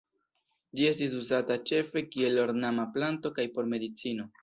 Ĝi estis uzata ĉefe kiel ornama planto kaj por medicino.